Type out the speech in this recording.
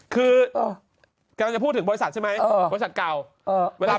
คือกำลังจะพูดถึงบริษัทใช่ไหมบริษัทเก่า